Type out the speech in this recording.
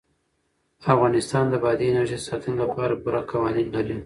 افغانستان د بادي انرژي د ساتنې لپاره پوره قوانین لري.